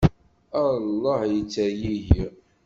Allah yettergigi!